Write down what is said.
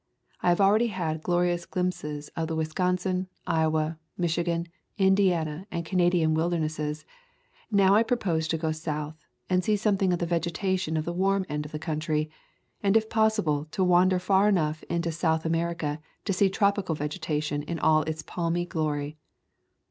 I have already had glorious glimpses of the Wisconsin, Iowa, Mich igan, Indiana, and Canada wildernesses; now I propose to go South and see something of the vegetation of the warm end of the country, and if possible to wander far enough into South America to see tropical vegetation in all its palmy glory.